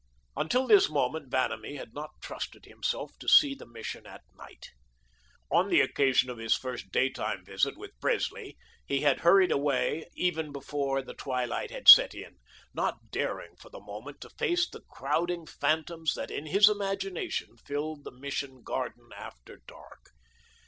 Until this moment Vanamee had not trusted himself to see the Mission at night. On the occasion of his first daytime visit with Presley, he had hurried away even before the twilight had set in, not daring for the moment to face the crowding phantoms that in his imagination filled the Mission garden after dark.